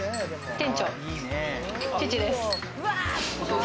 店長、父です。